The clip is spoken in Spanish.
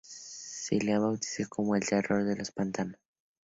Se le ha bautizado como "el terror de los pantanos".